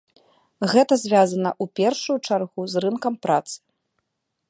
Гэта звязана ў першую чаргу з рынкам працы.